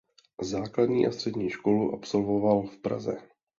Základní a střední školu absolvoval v Praze.